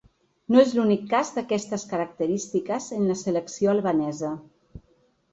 No és l’únic cas d’aquestes característiques en la selecció albanesa.